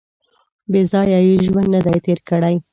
• بېځایه یې ژوند نهدی تېر کړی.